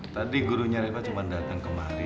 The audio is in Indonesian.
tadi gurunya rema cuma datang kemari